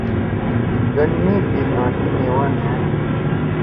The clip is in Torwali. گن میک دیِد آں تی میوا نھأد۔